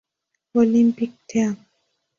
Olympic Team.